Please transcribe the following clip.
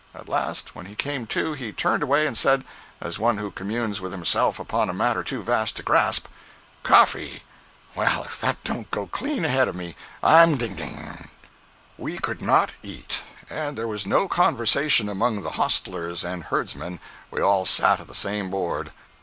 At last, when he came to, he turned away and said, as one who communes with himself upon a matter too vast to grasp: "Coffee! Well, if that don't go clean ahead of me, I'm d— d!" 045.jpg (40K) We could not eat, and there was no conversation among the hostlers and herdsmen—we all sat at the same board.